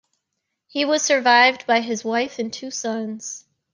He was survived by his wife and two sons.